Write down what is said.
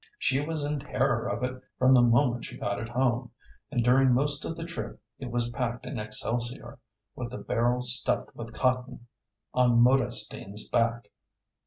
She was in terror of it from the moment she got it home, and during most of the trip it was packed in excelsior, with the barrel stuffed with cotton, on Modestine's back.